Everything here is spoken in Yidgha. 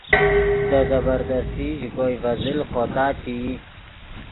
دے زبردستی ژے کوئے ڤے زل خوتا چے ای